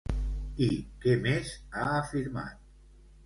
I què més ha afirmat?